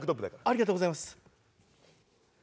ありがとうございます。